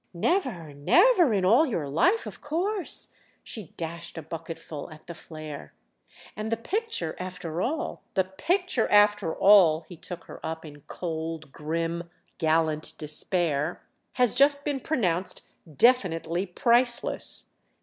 "Never, never in all your life of course!"—she dashed a bucketful at the flare. "And the picture after all——!" "The picture after all"—he took her up in cold grim gallant despair—"has just been pronounced definitely priceless."